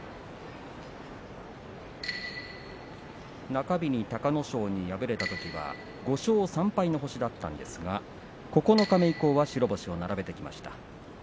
中日に隆の勝に敗れたときには５勝３敗の星だったんですが九日目以降は白星を並べてきました。